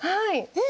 え！